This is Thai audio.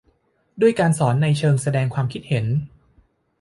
ด้วยการสอนในเชิงแสดงความคิดเห็น